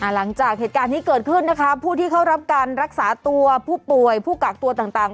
หลังจากเหตุการณ์นี้เกิดขึ้นนะคะผู้ที่เข้ารับการรักษาตัวผู้ป่วยผู้กักตัวต่าง